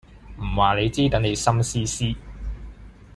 唔話你知，等你心思思